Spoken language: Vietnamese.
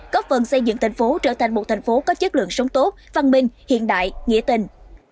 góp phần xây dựng thành phố trở thành một thành phố có chất lượng sống tốt văn minh hiện đại nghĩa tình